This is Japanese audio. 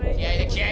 気合！